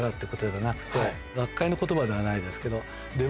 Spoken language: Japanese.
学会の言葉ではないですけど。